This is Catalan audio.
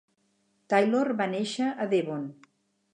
Taylor va néixer a Devon.